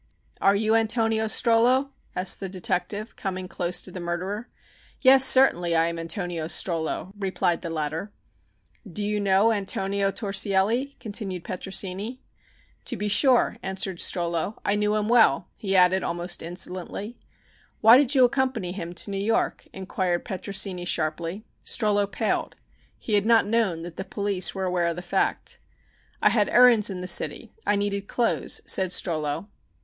"Are you Antonio Strollo?" asked the detective, coming close to the murderer. "Yes, certainly, I am Antonio Strollo," replied the latter. "Do you know Antonio Torsielli?" continued Petrosini. "To be sure," answered Strollo. "I knew him well," he added almost insolently. "Why did you accompany him to New York?" inquired Petrosini sharply. Strollo paled. He had not known that the police were aware of the fact. "I had errands in the city. I needed clothes," said Strollo.